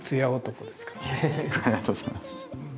ありがとうございます。